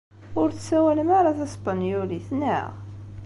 Ur tessawalem ara taspenyulit, naɣ?